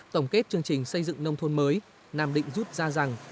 tổng kết chương trình xây dựng nông thôn mới nam định rút ra rằng